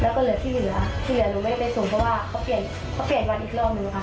แล้วก็เหลือที่เหลือที่เหลือเราไม่ได้ไปส่งเพราะว่าเขาเปลี่ยนวันอีกรอบเหมือนกันค่ะ